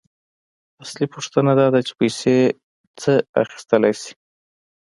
اصلي پوښتنه داده چې پیسې څه اخیستلی شي